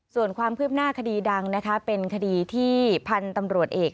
ส่วนความคืบหน้าคดีดังนะคะเป็นคดีที่พันธุ์ตำรวจเอก